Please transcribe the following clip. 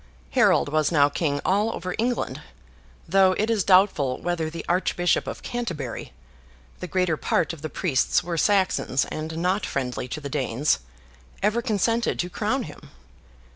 Harold was now King all over England, though it is doubtful whether the Archbishop of Canterbury (the greater part of the priests were Saxons, and not friendly to the Danes) ever consented to crown him.